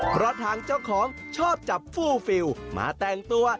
เพราะทางเจ้าของชอบจับฟู้ฟิลมาแต่งตัว